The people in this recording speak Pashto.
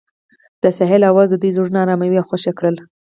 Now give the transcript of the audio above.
د ساحل اواز د دوی زړونه ارامه او خوښ کړل.